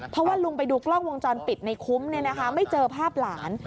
เพราะว่าลุงไปดูกล้องวงจรปิดในคุ้มไม่เจอภาพหลาน